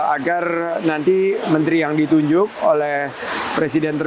agar nanti menteri yang ditunjuk oleh presiden trump